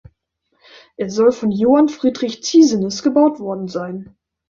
Er soll von Johann Friedrich Ziesenis gebaut worden sein.